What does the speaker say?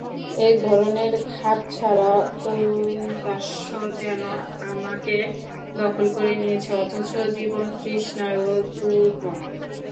একধরনের খাপছাড়া ঔদাস্য যেন আমাকে দখল করে নিয়েছে, অথচ জীবনতৃষ্ণাও দুর্মর।